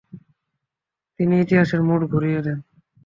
তিনি ইতিহাসের মোড় ঘুরিয়ে দেন।